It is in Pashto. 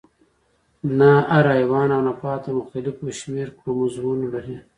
نه هر حیوان او نبات مختلف شمیر کروموزومونه لري